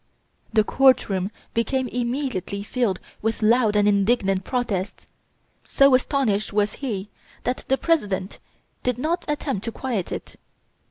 The court room became immediately filled with loud and indignant protests. So astonished was he that the President did not attempt to quiet it.